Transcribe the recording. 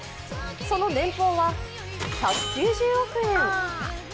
その年俸は１９０億円。